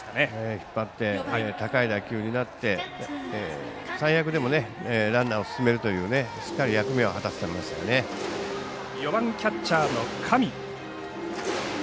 引っ張って高い打球になって最悪でもランナーを進めるというしっかり役目は果たせたんじゃないですかね。